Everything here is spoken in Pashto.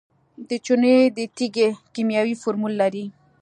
د چونې د تیږې کیمیاوي فورمول لري.